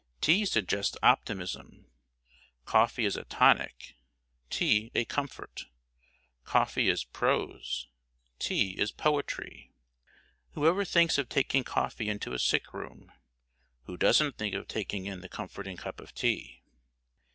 Tea suggests optimism. Coffee is a tonic; tea, a comfort. Coffee is prose; tea is poetry. Whoever thinks of taking coffee into a sick room? Who doesn't think of taking in the comforting cup of tea?